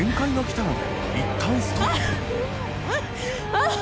あっ！